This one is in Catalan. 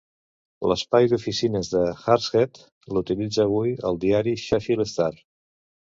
L'espai d'oficines de Hartshead l'utilitza avui el diari "Sheffield Star".